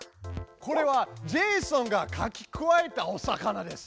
これはジェイソンがかき加えたお魚です。